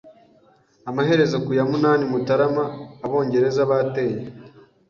Amaherezo, ku ya munani Mutarama, Abongereza bateye.